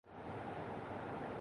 خیر جو بھی ہو